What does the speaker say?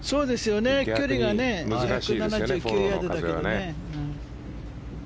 距離がね２７９ヤードだけどね。